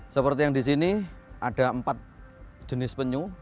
seperti yang di sini ada empat jenis penyu